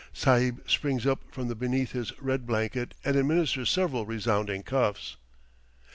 Sahib springs up from beneath his red blanket and administers several resounding cuffs.